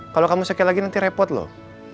kalau kamu sakit lagi nanti repot loh